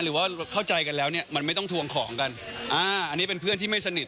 หรือว่าเข้าใจกันแล้วเนี่ยมันไม่ต้องทวงของกันอ่าอันนี้เป็นเพื่อนที่ไม่สนิท